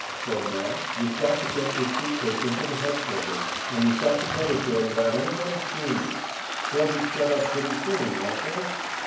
Said Nell: "You've got to get this suit case into the headquarters, and you've got to get it there without anybody seeing you. They'll be shut up pretty soon, won't they?"